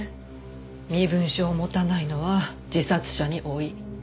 身分証を持たないのは自殺者に多い。